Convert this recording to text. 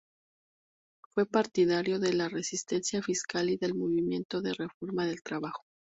Fue partidario de la resistencia fiscal y del movimiento de reforma del trabajo.